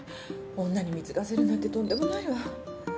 女に貢がせるなんてとんでもないわ。